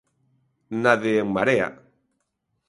Na de En Marea.